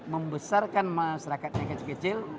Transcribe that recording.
membesarkan masyarakatnya kecil kecil